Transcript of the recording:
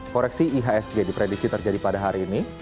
koreksi ihsg diprediksi terjadi pada hari ini